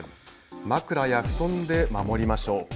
枕や布団で守りましょう。